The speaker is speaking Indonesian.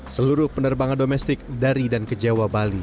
seluruh penerbangan domestik dari dan ke jawa bali